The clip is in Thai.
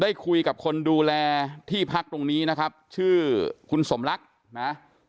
ได้คุยกับคนดูแลที่พักตรงนี้นะครับชื่อคุณสมรักนะ